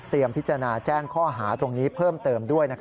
พิจารณาแจ้งข้อหาตรงนี้เพิ่มเติมด้วย